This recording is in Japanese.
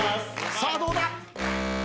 さあどうだ？